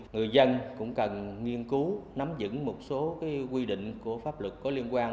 người dân cũng cần nghiên cứu nắm dựng một số quy định của pháp luật có liên quan